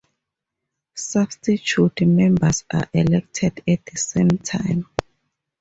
Substitute members are elected at the same time.